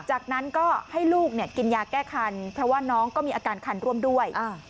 จากนั้นก็ให้ลูกกินยาแก้คันเพราะว่าน้องก็มีอาการคันร่วมด้วย